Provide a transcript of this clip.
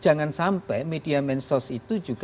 jangan sampai media mensos itu juga